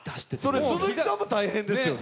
それ、鈴木さんも大変ですよね。